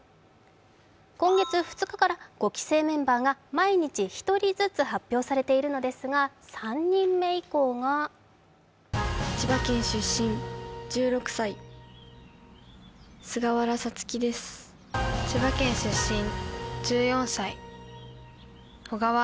今月２日から５期生メンバーが毎日１人ずつ発表されているのですが、３人目以降がなんと４人連続で千葉県出身。